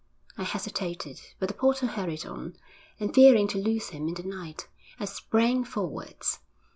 I hesitated, but the porter hurried on, and fearing to lose him in the night, I sprang forwards.